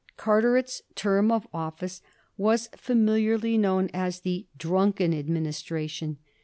Carteret's term of office was familiarly known as ^' the drunken Administration."